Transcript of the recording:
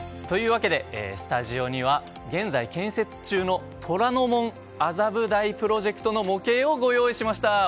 というわけで、スタジオには現在建設中の虎ノ門・麻布台プロジェクトの模型をご用意しました。